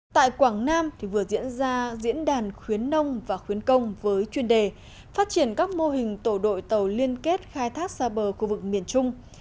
tại quảng nam vừa diễn ra diễn đàn khuyến nông và khuyến công với chuyên đề phát triển các mô hình tổ đội tàu liên kết khai thác xa bờ khu vực miền trung